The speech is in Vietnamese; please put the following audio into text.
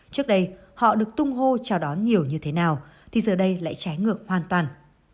trước đây họ được tung hô chào đón nhiều như thế nào thì giờ đây lại trái ngược hoàn toàn